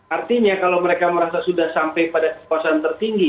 artinya kalau mereka merasa sudah sampai pada kekuasaan tertinggi